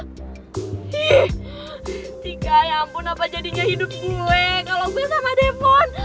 ih tika ya ampun apa jadinya hidup gue kalau gue sama devon